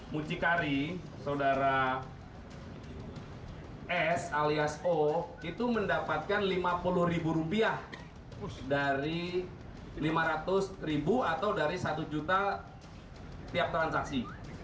mucikari saudara s alias o itu mendapatkan lima puluh ribu rupiah dari lima ratus ribu atau dari satu juta tiap transaksi